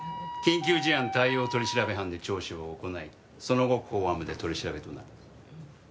緊急事案対応取調班で聴取を行いその後公安部で取り調べとなる。